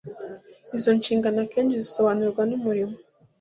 Izo nshingano akenshi zisobanurwa n umurimo